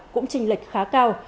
cũng trình lệch khá cao